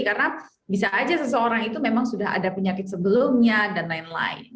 karena bisa aja seseorang itu memang sudah ada penyakit sebelumnya dan lain lain